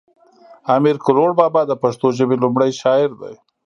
امیر کړوړ بابا د پښتو ژبی لومړی شاعر دی